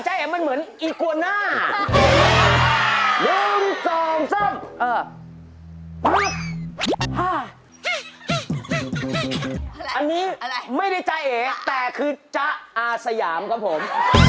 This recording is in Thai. อันนี้ไม่ได้ใจเอ๋แต่คือจ๊ะอาสยามครับผม